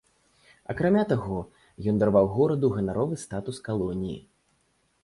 Акрамя таго, ён дараваў гораду ганаровы статус калоніі.